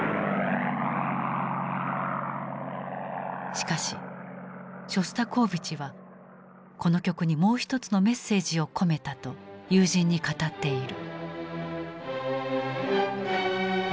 しかしショスタコーヴィチはこの曲にもう一つのメッセージを込めたと友人に語っている。